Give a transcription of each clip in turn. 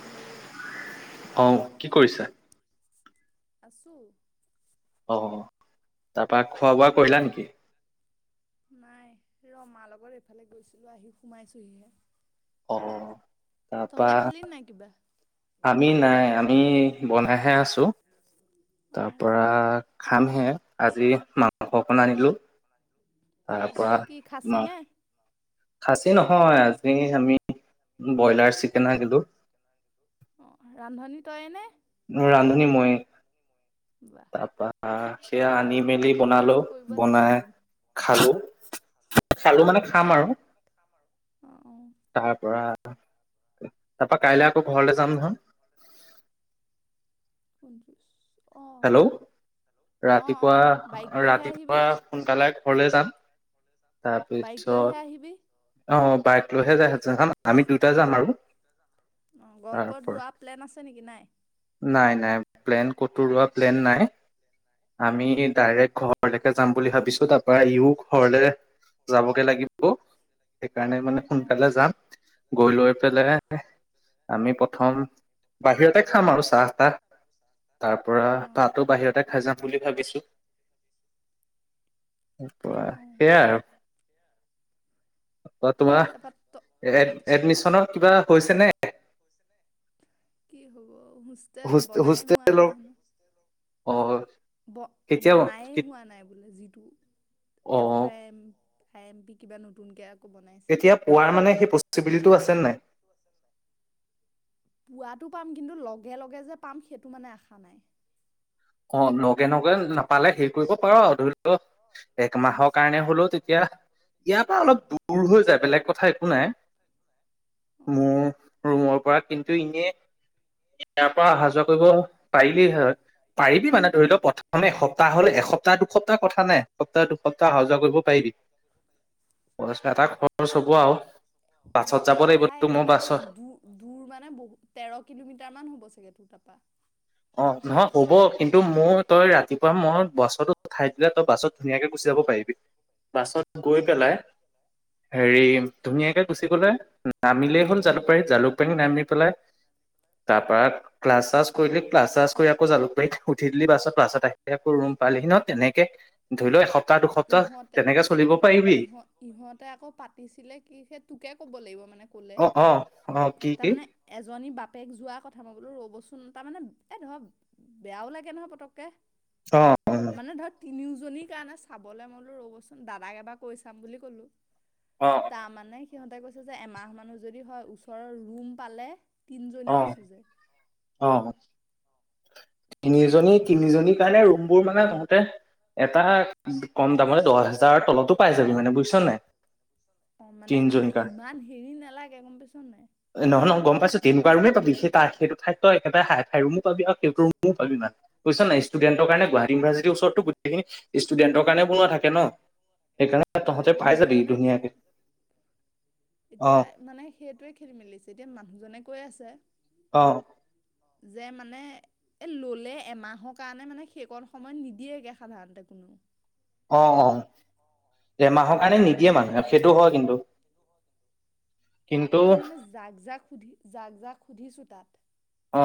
Hello. অহ কি কৰিছা। আছো। অ তাৰ পৰা খোৱা বোৱা কৰিলা নেকি। নাই ৰ মাৰ লগত এইফালে গৈছিলো আহি সোমাইছোহি। অহ তাৰপা। নাই কিবা আমি নাই আমি বনাই হে আছো অ তাৰ পৰা। খামহে আজি মাংস অকণ আনিলোঁ। তাৰ বাহ পৰা কি খাচী ন। নে খাচী নহয় আজি আমি ব্ৰইলাৰ চিকেন আনিলোঁ। অ ৰান্ধনী তই নে। মোৰ ৰান্ধনী মইয়ে। বাহ। আহ সেয়া আনি মেলি সেইটো টেষ্ট বনালো কৰিব লাগিব বনাই এদিন খালো। চালো মানে খাম খা আৰু। অ অ তাৰাপা কাইলে আকৌ ঘৰলে যাম নহয়। পোনত্ৰিছ [unintelligible] হেল্ল' অ ৰাতিপুৱা বাইক লৈহে আহিবি ৰাতিপুৱা সোনকালে ঘৰলে যাম। বাইক তাৰপিছত লৈহে আহিবি অ। বাইক লৈহে যাই আমি দুইটাই যাম আৰু। অ তাৰ গহপুৰত পৰা ৰোৱা প্লেন আছে নেকি নাই। নাই নাই পন প্লেন নাই অ আমি। ঘৰলৈকে যাম বুলি ভাবিছো তাৰ পৰা ই ও ঘৰলে যাবগে লাগিব। সেইকাৰণে মানে অ সোনকালে যাম। গৈ লৈ পেলাই আমি প্ৰথম বাহিৰতে। খাম আৰু চাহ তাহ তাৰ পৰা অ ভাতো বাহিৰতে খাই যাম। বুলি ভাবিছো অ সেয়াই আৰু। বা তাৰপৰা ত তোমাৰ এ এডমিচনত কিবা হৈছে নে। কি হব হোষ্টেল বনাই হোৱা হোষ্টেলৰ নাই হেনো অ ব কেতিয়া বনাই হোৱা অ নাই বোলে যিটো অফ টাইম। খাই এম পি কিবা নতুন কে। তেতিয়া পোৱাৰ মানে সেই পচিবিলিটিটো আছে নাই পোৱাতটো পাম কিন্তু লগে লগে যে পাম সেইটো মানে আশা নাই। অ লগে লগে নাপালে হেৰি কৰিব পাৰ ধৰি লও একমাহৰ কাৰণে হলেও তেতিয়া ইয়াৰ পৰা অলপ দূৰ হৈ যায় বেলেগ কথা একো নাই। অ', মোৰ ৰুমৰ পৰা কিন্তু এনে ইয়াৰ পৰা অহা যোৱা কৰিব পাৰিলি হয় পাৰিবি মানে ধৰি লওক প্ৰথমে এসপ্তাহ হ'লে এসপ্তাহ দুসপ্তাহ কথা নাই। এসপ্তাহ দুসপ্তাহ অহা যোৱা কৰিব পাৰিবি। এটা খৰ চব আও কথাই একেটাই হব দূৰ দূৰ মানে বহুত তেৰ কিলোমিটাৰ মান হ'ব চাগে তোৰ তা পা। পা [unintelligible] অ নহয় হ'ব কিন্তু মোৰ তই ৰাতিপুৱা মই বাছ উঠাই দিলে তই বাছত ধুনীয়াকে গুচি। যাব পাৰিবি বাছত গৈ পেলাই। হেৰি ধুনীয়াকে গুচি গলে নামিলেই হ'ল জালুকবাৰী জালুকবাৰী নামি পেলাই। তাৰ পৰা ক্লাছ চ্লাছ কৰি। ক্লা চ্লাছ কৰি আকৌ জালুকাৰ উঠি দিলি বাছত ক্লাছত আহি আকৌ ৰোম পালেহি ন তেনেকে ধৰি লও একস। অ ইহঁতে ইহ ইহঁতে আকৌ পাতিছিলে কি সেই তোকে ক'ব লাগিব। মানে কলে অ অ অ কি তাৰ কি মানে এজনী বাপ। বাপেক যোৱা কথা মই বোলো ৰ'বচোন তাৰ মানে এই ধৰ বেয়াও লাগে নহয় পতকে অ মানে ধৰক তিনিওজনীৰ কাৰণে চাবলৈ মইলো ৰ'বচোন দাদাক এবাৰ কৈ চাম বুলি ক'লো অ অ তাৰ মানে সিহঁতে কৈছে যে এমাহ মানুহ যদি হয় ওচৰৰ ৰুম পালে। তিনিজনী অ আছো যে অ তিনিজনী তেনেকে তিনিজনীৰ কাৰণে ৰুমবোৰ মানে তহতে এটা কম দামতে দহ হোজাৰৰ তলতো পাই যাবি মানে বুজিছ নাই অ মানে তিনিজনীৰ আমাৰ কাৰণে ইমান হেৰি নালাগে গম পাইছ নাই। পিছো তেনেকুৱা ৰোমে পাবি ত সেইটো ঠাই ত‌ই এটা হাইফাই ৰোমো পাবি সেইটো ৰোম ৰোমো পাবি না বুজিছ নাই ইষ্টুডেন্টৰ অ কাৰণে গুৱাহাটী ইউনিৰ্চিটিৰ ওচৰতো গোটেই খিনি ষ্টুডেণ্ট কাৰণে বনোৱা থাকে ন। সেইকাৰণে অ তহঁতে পাই কিন্তু যাবি মানে ধুনীয়াকে। অ এতিয়া মানে সেইটোৱে খেলি মেলিছে এতিয়া মানুহজনে কৈ আছে অ যে মানে এ ললে এমাহৰ কাৰণে মানে সেইকণ সময় নিদিয়েগে সাধাৰণতে ক অ অ এমাহৰ এতিয়া কাৰণে নিদিয়ে সেইটোও মানুহে নাজানো কি সেইটো হয় কিন্তু। কিন্তু এতিয়া মানে জাক- জাক সুধ জাক জাক সুধিছো তাত অ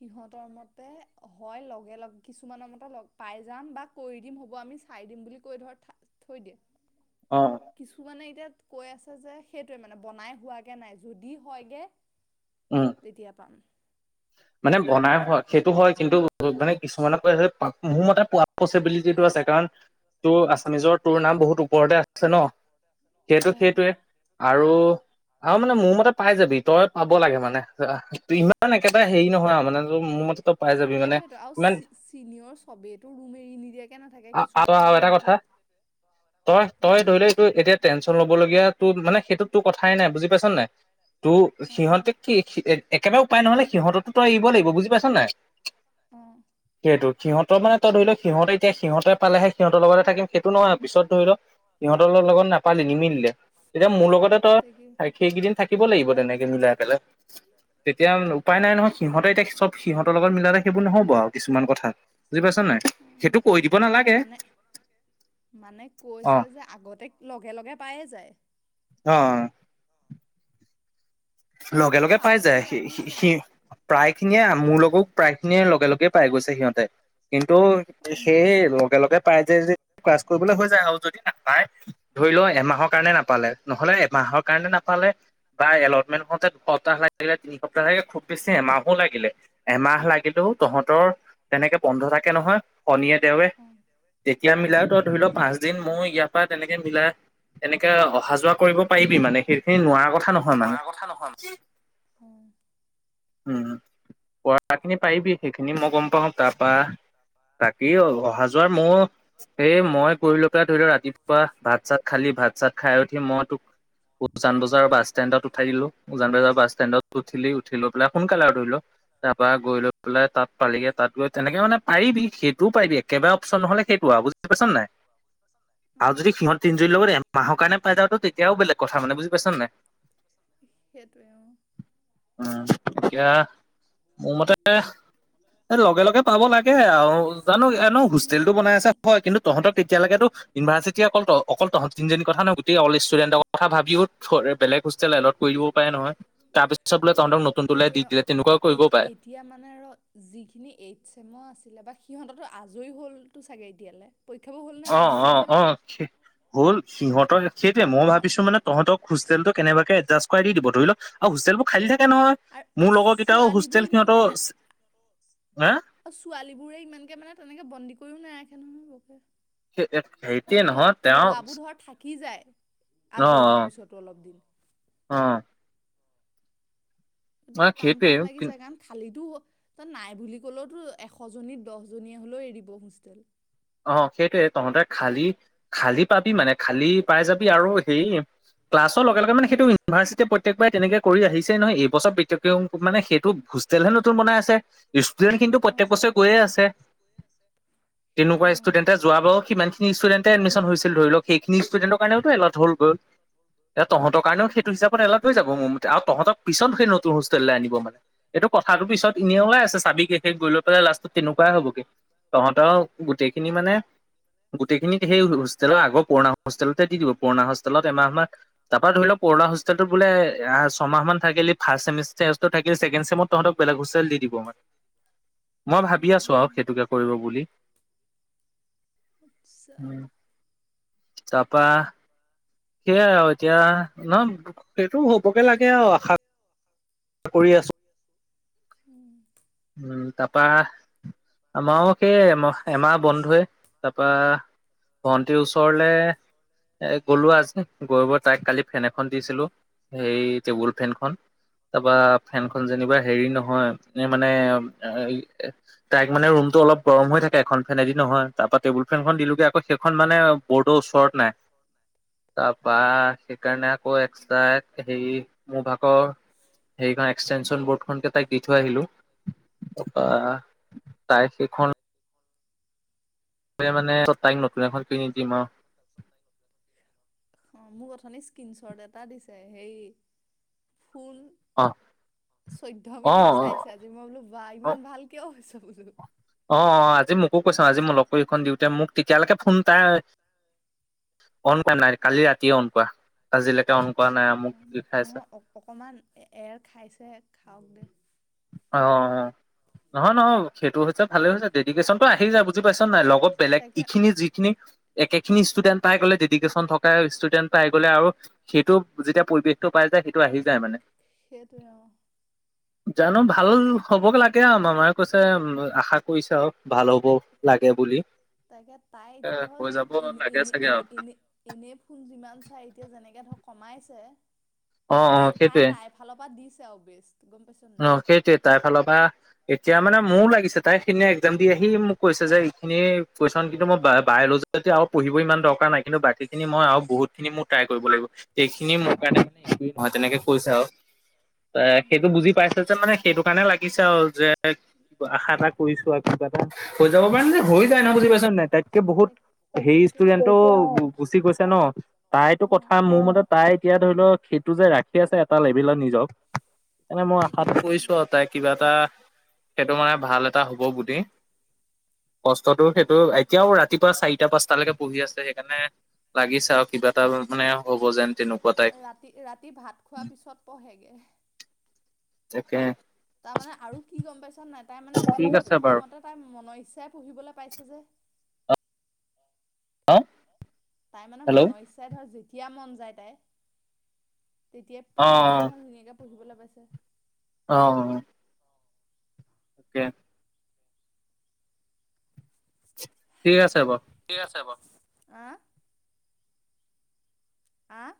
সিহঁতৰ মতে হয় লগে লগে কিছুমানৰ মতে লগে পাই যাম বা কৰি দিম হ'ব আমি চাই বুলি কৈ ধৰ থৈ দিয়ে, অ কিছুমানে এতিয়া। কৈ আছে যে সেইটোয়ে মানে বনাই হোৱাগে নাই যদি হয়গে। উম তেতিয়া পাম মানে বনাই হয় সেইটো হয় কিন্তু মানে কিছুমানে কয় যে মোৰ মতে পোৱা পচিবিলিটিটো আছে। কাৰণ তোৰ আছামিজৰ তোৰ নাম বহুত ওপৰতে আছে ন। সেইটো অ সেইটোৱে। আৰু আৰু মানে মোৰ মতে পাই যাবি তই পাব লাগে মানে ইমান একে এ হেৰি নহয় আৰু মানে মোৰ মতে। মানে সেইটোৱেটো ইমান আৰু চিনিয়ৰ চবেইটো ৰোম এৰি নিদিয়ে। নাথাকে আৰু কিছুমানেহে -আৰু এৰি এটা কথা তই অ -তই ধৰি ল এইটো এতিয়া টেনচন ল'ব লগীয়া তো মানে সেইটোত তোৰ কথাই নাই বুজি পাইছ নাই তো অ অ সিহঁতে কি একেবাৰে উপায় নহলে সিহঁতো তই এৰিব লাগিব বুজি পাইছ নাই অ সেইটো সিহঁতৰ মানে তই ধৰি লও সিহঁতে। তেতিয়া সিহঁতে পালেহে সিহঁতৰ লগতে থাকিম সেইটো নহয় আৰু পিছত ধৰি লও সিহঁতৰ লগত নাপালে নিমিলে তেতিয়া মোৰ লগত [unintelligible] ত তাকে সেইকেইদিন থাকিব লাগিব তেনেকে মিলাই পেলাই তেতিয়া উপায় নাই নহয়। সিহঁতে এতিয়া চব সিহঁতৰ লগত মিলালে সেইবোৰ নহ'ব আৰু কিছুমান কথা বুজি পাইছা নাই। অ সেইটো কৈ দিব অ নালাগে মানে মানে অ কৈছে যে আগতে লগে-লগে পায়েই যায়। অ'। জানো মোৰ লগে-লগে পাম পাই পাম যায়। সি- সি- লাগিছে। সি প্ৰায়খিনিয়ে মোৰ লগ বোক প্ৰায়খিনিয়ে লগে-লগেই পাই গৈছে সিহঁতে। কিন্তু অ', সেই লগে-লগে [unintelligible] পাই যে ক্লাছ কৰিবলৈ হৈ যায় আৰু যদি নাপায় ধৰি লও এমাহৰ কাৰণে নাপালে নহলে এমাহ [unintelligible] কাৰণে নাপালে বা এলট [unintelligible] হঁতে দুসপ্তাহ লাগিলে তিনি সপ্তাহ লাগিলে খুব বেছি এমাহো লাগিলে এমাহ লাগিলেও তহঁতৰ তেনেকে বন্ধ থাকে নহয় শনীয়ে দেওৱে অ', যেতিয়া মিলাই ত ধৰি ল, পাঁচ দিন মই ইয়াৰ পৰা তেনেকে মিলাই তেনেকে অহা যোৱা কৰিব পাৰিবি মানে, সেইখিনি নোৱাৰা কথা নহয় মানে। থা নহ [inaudible] উম, পঢ়াখিনি পাৰিবি। সেইখিনি মই গম পাওঁ। তাৰপা বাকী অহা-যোৱাৰ মোৰ, এই মই কৰি লৈকে ধৰি লোৱা ৰাতিপুৱা ভাত-চাত খালি ভাত-চাত খাই উঠি মই তোক উজান বজাৰ বাছ ষ্টেণ্ডত উঠাই দিলোঁ। উজান বজাৰৰ বাছ ষ্টেণ্ডত উঠিলি। উঠিলোত গলে সোনকালে আৰু ধৰি ল। তাৰপৰা গৈ লৈ বোলে তাত পালিগে। তাত গৈ তেনেকে মানে পাৰিবি। সেইটোও পাৰিবি। একেবাৰে অপশচন নহ'লে, সেইটো আও। বুজি পাইছ নে নাই? [inaudible] আৰু অ', যদি সিহঁত তিনজনীৰ লগত এমাহৰ কাৰণে পাই যাওঁ, তো তেতিয়াও বেলেগ কথা মানে। বুজি পাইছন নে? [inaudible] টোৱেও। এতিয়া মোৰ মতে এ লগে-লগে পাব লাগে আৰু। জানো এ ন', হোষ্টেলটো বনাই আছে, হয়। কিন্তু তহঁতক তেতিয়ালৈকেতো ইউনিভাৰ্চিটি অকল ত- অকল তহঁত তিনিজনীৰ কথা নহয়, গোটেই অল ইষ্টুডেণ্টৰ কথা ভাবিও থ- বেলেগ হোষ্টেল এল'ট কৰিব পাৰে নহয়। তাৰপিছত বোলে তহঁতক নতুনটোলে দি সেইটোৱে। দিলে তেনেকুৱাও কৰিব এ- পাৰে। এতিয়া মানে আৰু যিখিনি এইট চেমৰ আছিলে বা সিহঁততো আজৰি হ'লতো চাগে এতিয়ালে। পৰীক্ষাবোৰ হ'ল নে নাই হ'ল নহয় অ'-অ'-অ', শে- হ'ল। সিহঁতৰ সেইটোৱে। মই অ', ভাবিছোঁ মানে তহঁতক হোষ্টেলটো কেনেবাকে এদজাষ্ট কৰাই দি দিব। ধৰি ল, অ'- হোষ্টেলবোৰ খালি হে থাকে নহয়। আৰু এই মোৰ লগৰকেইটাও হোষ্টেল সিহঁতৰ হে আৰু ছোৱালীবোৰে ইমানকে মানে তেনেকে বন্দী কৰিও নাৰাখে নহয় বৰকে সে- অ'- সেইটোৱে নহয় তেওঁ কি যায়, অ আজৰি হোৱাৰ পিছতো অলপ দিন। অ মানে গতিকে পাম - সেইটোৱে পাম লাগিছে। কাৰণ খালি টো তাত নাই বুলি ক'লেওতো এশজনী - দহজনীয়ে হলেও এৰিব হোষ্টেল। অ' সেইটোৱে। তহঁতে খালী- খালী পাবি মানে, খালী পাই যাবি আৰু হেৰি ক্লাছৰ লগে-লগে মানে সেইটো ইউনিভাৰ্চিটিয়ে প্ৰত্যেকবাৰে তেনেকে কৰি আহিছেই নহয়। এইবছৰ [unintelligible] মানে সেইটো হোষ্টেলহে নতুন বনাই আছে। ইষ্টুডেণ্টখিনিটো অ প্ৰত্যেক বছৰে গৈয়ে আছে। তেনেকুৱা সেইটোৱে অ ষ্টুডেণ্টে যোৱা বাৰু, সিমানখিনি ষ্টুডেণ্টে এডমিচন হৈছিল ধৰি লক। সেইখিনি ষ্টুডেণ্টৰ কাৰণেওতো এলট হ'ল- গ'ল। এ তহঁতৰ কাৰণেও সেইটো হিচাপত এলট হৈ যাব মোৰ মতে। আৰু তহঁতক পিছত সেই নতুন হোষ্টেললৈ আনিব মানে। এইটো কথাটো অ পিছত এনে ওলাই আছে, চাবি গে। শেষ গৈ লৈ পেলাই লাষ্টত তেনেকুৱাই হ'বগে। তহঁতও গোটেইখিনি মানে গোটেইখিনিত সেই হোষ্টেলৰ আগৰ পুৰণা হোষ্টেলতে দি দিব। পুৰণা হোষ্টেলত এমাহমান, তাৰপৰা ধৰি ল পুৰণা হোষ্টেলটোত বোলে অ'- ছমাহ মান থাকিলি। ফাৰ্ষ্ট চেমষ্টাৰতো থাকিলি। ছেকেণ্ড চেমত তহঁতক বেলেগ হোষ্টেল দি দিব মানে। মই অ অ ভাবি আছোঁ আৰু, সেইটোকে কৰিব বুলি। আচছা [unintelligible] তাপা সেইয়াই আৰু এতিয়া নহ সেইটো হ'বগে লাগে আৰু আশা- কৰি আছো। উম উম তাৰপা আমাও সেই এমাহ বন্ধৱে তাৰপা ভন্টিৰ ওচৰলে এ গ'লো আজি গৈ তাইক কালি ফেন এখন দিছিলো সেই টেবুল ফেনখন তাৰপা অ ফেনখনন যেনিবা হেৰি নহয় এ মানে অ'- তাইক মানে ৰুমটো অলপ গৰম হৈ থাকে। এখন ফেনেদি নহয়। তাৰপৰা টেবুল ফেনখন দিলোঁগে। আকৌ সেইখন মানে বোৰ্ডৰ ওচৰত নাই। তাৰপা সেইকাৰণে আকৌ এক্সট্ৰা হেৰি মোৰ ভাগৰ সেইখন এক্সটেনশ্যন বৰ্ডখনকে তাইক দি থৈ আহিলোঁ। কপা তাই সেইখন মানে তাইক নতুন এখন কিনি দিম আৰু। নে স্ক্ৰীনশ্বট এটা দিছে হেই ফুল অ চৈধ্য অ মিনিট চাইছা আজি মই বোলো, বা ইমান ভাল কিয় হৈছ? [unintelligible] অ' - অ' আজি মোকো কৈছে। আজি মোক লগ কৰিখন দিওঁতে মোক তেতিয়ালৈকে ফোন তাই অন কৰাৱা নাই কালি ৰাতিয়ে অন কৱা আজিলৈকে অন কৰা নাই অ মোক লিখাইছে নহয় অ অকমান এৰ খাইছে খাওক দে অ অ নহয় নহয় সেইটো হৈছে ভালে হৈছে দে দেদিকেচনটো আহি তাই যায় বুজি পাইছ নে নাই লগত বেলেগ তাকে ইখিনি যিখিনি একে খিনি ষ্টুডেণ্ট পাই গলে ডেডিকেশচন থকা ষ্টুডেণ্ট পাই গলে আৰু সেইটো যেতিয়া পৰিৱেশটো পাই। সেইটো আহি যায় মানে সেইটোৱে অ। জানো ভাল হ'ব গে লাগে আৰু মামাই কৈছে আশা কৰিছে আৰু ভাল হ'ব লাগে বুলি তাকে তাই এ এতিয়া ধৰ হৈ যাব এনে লাগে এনে চাগে এনে আৰু এনে এনে ফোন যিমান চাই এতিয়া যেনেকে ধৰক কমাইছে অ মানে অ তাই সেইটোৱে তাই তাইৰ ফালৰ পৰা দিছে আৰু বেছ গম পাইছ। অ নাই সেইটোৱে তাইৰ ফালৰ পা। এতিয়া মানে মোৰো লাগিছে তাইখিনি এক্সাম দি আহি মোক কৈছে যে এইখিনি কুৱেশ্যন কিন্তু মই বায়'লজিত আৰু পঢ়িব ইমান দৰকাৰ নাই কিন্তু বাকী খিনি মই আৰু বহুত খিনি মোৰ ট্ৰাই কৰিব লাগিব এইখিনি মোৰ কাৰণে মানে- নহয় তেনেকে কৈছে আৰু এ সেইটো বুজি পাইছে যে মানে সেইটো কাৰণেটো কাৰণে লাগিছে আও যে আশা এটা কৰিছো আৰু কিবা এটা হৈ যাব পাৰে মানে হৈ সেইটোৱে যায় নহ বুজি পাইছ নাই তাইতকে বহুত তাক সেই তাকে অ ষ্টুডেন্টটো গুচি গৈছে ন তাইতো অ কথা মোৰ মতে তাই এতিয়া ধৰি লও খ টো যে ৰাখি আছে। এটা লেভলত নিজক এনে মই তাকে আশাটো অ কৰিছো আৰু তাই কিবা এটা সেইটো মানে ভাল এটা হব বুলি কষ্টটো হ'ব সেইটো হ'ব এতিয়াও ৰাতিপুৱা চাৰিটা পাঁচটালৈকে পঢ়ি আছে সেইকাৰণে লাগিছে আৰু কিবা এটা মানে হ'ব যেন তেনেকুৱা টাইপ ৰাতি ৰাতি ভাত খোৱাৰ পিছত পঢ়েগে তাকে তাৰমানে আৰু কি গম পাইছ নাই তাই মানে ঠিক আছে জোখ বাৰু মতে তাই মন ইচ্ছা পঢ়িবলৈ পাইছে যে [unintelligible] তাই মানে হেল্ল' মনৰ ইচ্ছাই ধৰ যেতিয়া মন যায় তাই তেতিয়া অ অ ফ্ৰী কে ধৰ ধুনীয়াকে পঢ়িবলৈ পাইছে। অহ অকে ঠিক আছে বাৰু ব উম আহ